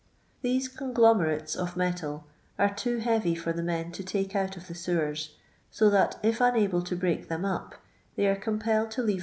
These *' conglomerates" of metal are too heavy for the men to take out of the •ewem, Ao that if unable to bieak them up, they are compelled to leave